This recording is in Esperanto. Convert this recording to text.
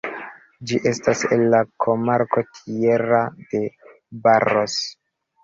Ĝi estas en la komarko Tierra de Barros.